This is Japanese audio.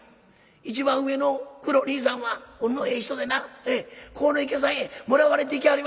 一番上のクロ兄さんは運のええ人でな鴻池さんへもらわれていきはりました。